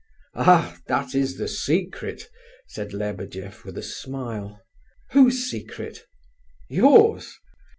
"Ah that is the secret," said Lebedeff, with a smile. "Whose secret?" "Yours.